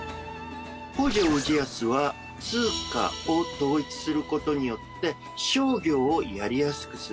北条氏康は通貨を統一する事によって商業をやりやすくする。